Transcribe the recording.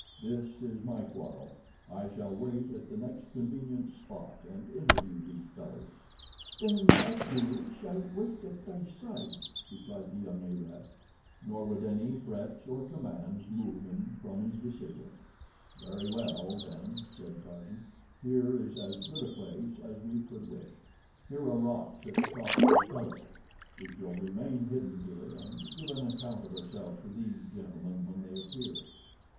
"This is my quarrel. I shall wait at the next convenient spot, and interview these fellows." "Then Abdul shall wait at thy side," replied the young Arab, nor would any threats or commands move him from his decision. "Very well, then," replied Tarzan. "Here is as good a place as we could wish. Here are rocks at the top of this hillock. We shall remain hidden here and give an account of ourselves to these gentlemen when they appear."